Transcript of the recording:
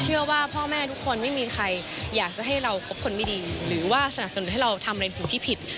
พ่อแม่ทุกคนไม่มีใครอยากจะให้เราคบคนไม่ดีหรือว่าสนับสนุนให้เราทำในสิ่งที่ผิด